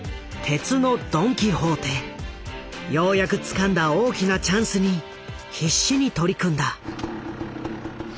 ようやくつかんだ大きなチャンスに必死に取り組んだ。